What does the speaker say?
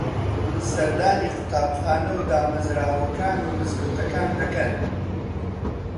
سەردانی قوتابخانە و دامەزراوەکان و مزگەوتەکان دەکەن